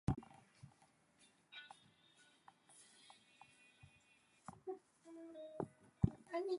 However, these trends have not been distributed evenly throughout the national air transportation network.